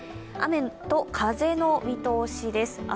雨と風の見通しです。